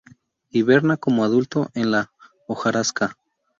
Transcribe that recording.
Hiberna como adulto en la hojarasca.